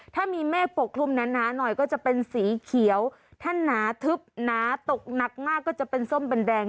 ถ้ามีเมฆปกคลุมหนาหน่อยก็จะเป็นสีเขียวถ้าหนาทึบหนาตกหนักมากก็จะเป็นส้มเป็นแดง